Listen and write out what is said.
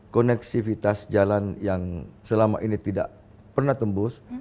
konektivitas jalan yang selama ini tidak pernah tembus